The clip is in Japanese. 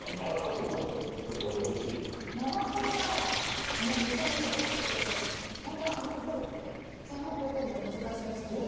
生ハムがめちゃくちゃおいしくて本当はあの量って１８００円じゃ難しくらしくて。